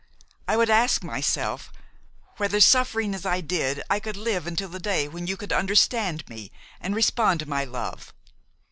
I would ask myself whether, suffering as I did, I could live until the day when you could understand me and respond to my love.